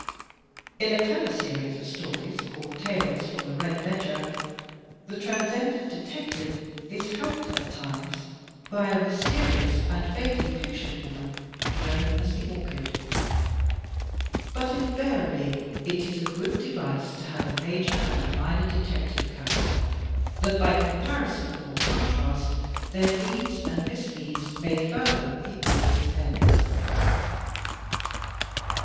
In a clever series of stories called " Tales from the Red Ledger," the Transcendent Detective is helped at times by a mysterious and vaguely pictured woman known as "The Orchid." But invariably it is a good device to have a major and a minor detective character, that by comparison or contrast their leads and misleads may further the author's ends. 5.